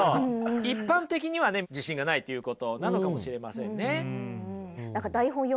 一般的にはね自信がないということなのかもしれませんね。